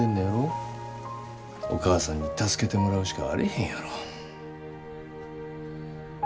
お義母さんに助けてもらうしかあれへんやろ。